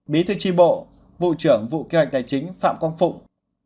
bí thư tri bộ vụ trưởng vụ kế hoạch tài chính phạm quang phụng